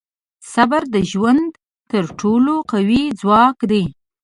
• صبر د ژوند تر ټولو قوي ځواک دی.